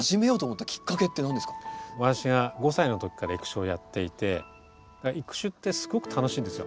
私が５歳の時から育種をやっていて育種ってすごく楽しいんですよ。